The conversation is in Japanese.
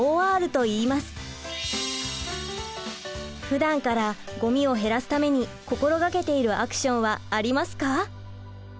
ふだんからごみを減らすために心がけているアクションはありますか？